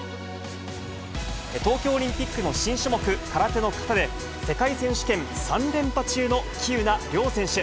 東京オリンピックの新種目、空手の形で、世界選手権３連覇中の喜友名諒選手。